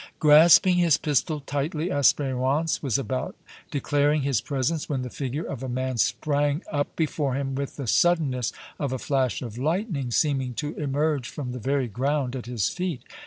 Grasping his pistol tightly, Espérance was about declaring his presence when the figure of a man sprang up before him with the suddenness of a flash of lightning, seeming to emerge from the very ground at his feet.